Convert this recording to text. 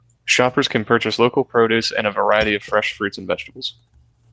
Shoppers can purchase local produce and a variety of fresh fruits and vegetables.